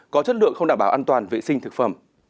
có chất lượng không đảm bảo an toàn vệ sinh thực phẩm